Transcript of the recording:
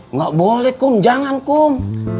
nggak boleh kum jangan kum